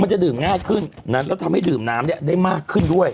จะดื่มง่ายขึ้นแล้วทำให้ดื่มน้ำเนี่ยได้มากขึ้นด้วย